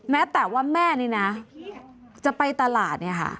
แม้แต่ว่าแม่นี่นะจะไปตลาดเนี่ยค่ะ